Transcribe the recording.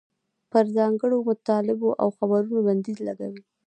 پر ځانګړو مطالبو او خبرونو بندیز لګوي.